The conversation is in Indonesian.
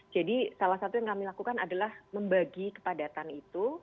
jadi salah satu yang kami lakukan adalah membagi kepadatan itu